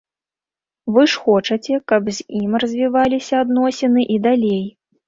Вы ж хочаце, каб з ім развіваліся адносіны і далей.